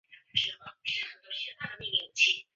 南朝陈改为北徐州。